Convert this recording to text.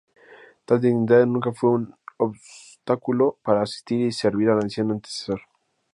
Tal dignidad nunca fue obstáculo para asistir y servir al anciano antecesor.